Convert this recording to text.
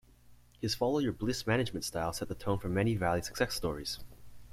His follow-your-bliss management style set the tone for many Valley success stories.